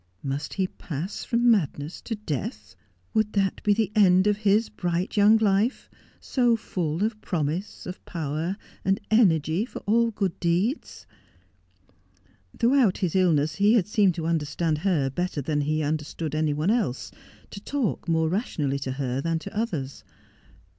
Must he pass from madness to death 1 Would that be the end of his bright young life, so full of promise, of power, and energy for all good deeds ? Throughout his illness he had seemed to understand her better than he understood any one else, to talk more rationally to her than to others.